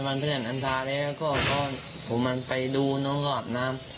ตอนเพื่อนอันทราเนี้ยก็ผมมันไปดูน้องกอดน้ำ